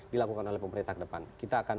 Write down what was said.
dilakukan oleh pemerintah ke depan kita akan